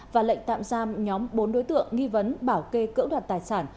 và lệnh tạm giam nhóm bốn đối tượng nghi vấn bảo kê cỡ đoạt tài sản